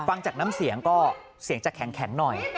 ฟังจากน้ำเสียงก็เสียงจะแข็งหน่อย